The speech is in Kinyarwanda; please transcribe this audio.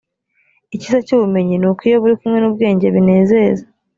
icyiza cy’ubumenyi ni uko iyo buri kumwe n’ubwenge binezeza